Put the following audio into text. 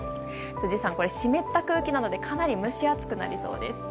辻さん、湿った空気なのでかなり蒸し暑くなりそうです。